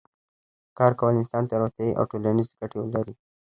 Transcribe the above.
کار کول انسان ته روغتیایی او ټولنیزې ګټې لري